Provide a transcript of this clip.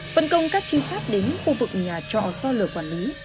phân công các trinh sát đến khu vực nhà trọ do lửa quản lý